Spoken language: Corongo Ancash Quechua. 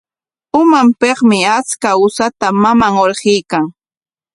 Umanpikmi achka usata maman hurquykan.